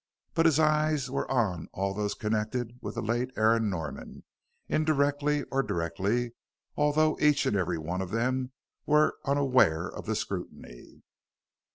But his eyes were on all those connected with the late Aaron Norman, indirectly or directly, although each and every one of them were unaware of the scrutiny.